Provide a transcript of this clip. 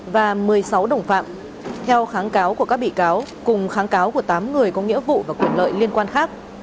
và một mươi sáu đồng phạm theo kháng cáo của các bị cáo cùng kháng cáo của tám người có nghĩa vụ và quyền lợi liên quan khác